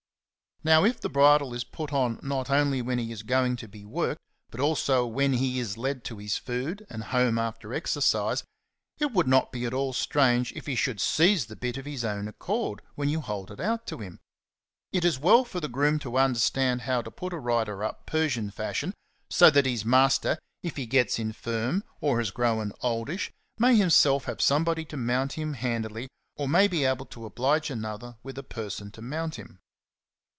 Now, if the bridle is put on not only when he is going to be worked, but also when he is led to his food and home after exercise, it would not be at all strange if he should seize the bit of his own accord when you hold it out to him. It is well for the groom to understand hovv to put a rider up Persian fashion,35 so that his master, if he gets infirm or has grown oldish, may himself have somebody to mount him hand ily or may be able to oblige another with a person to mount him.